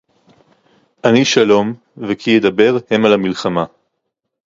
אני שלום וכי אדבר המה למלחמה